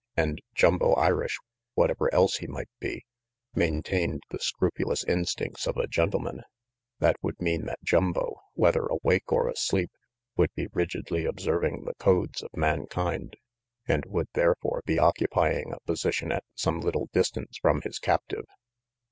And Jumbo Irish, whatever else he might be, maintained the scrupulous instincts of a gentleman. That would mean that Jumbo, whether awake or asleep, would be rigidly observing the codes of mankind, and would, therefore, be occupy ing a position at some little distance from his captive.